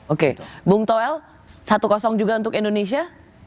oke bung toel satu juga untuk indonesia